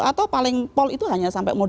atau paling pol itu hanya sampai